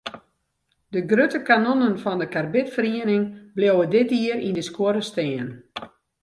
De grutte kanonnen fan de karbidferiening bliuwe dit jier yn de skuorre stean.